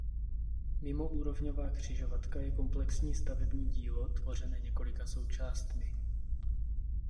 Mimoúrovňová křižovatka je komplexní stavební dílo tvořené několika součástmi.